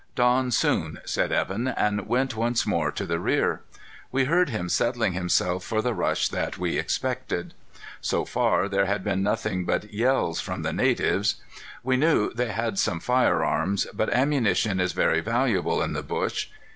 "Dawn soon," said Evan and went once more to the rear. We heard him settling himself for the rush that we expected. So far, there had been nothing but yells from the natives. We knew they had some firearms, but ammunition is very valuable in the bush.